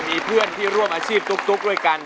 มีเพื่อนที่ร่วมอาชีพตุ๊กด้วยกัน